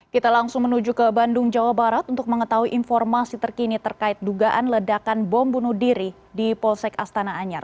kita langsung menuju ke bandung jawa barat untuk mengetahui informasi terkini terkait dugaan ledakan bom bunuh diri di polsek astana anyar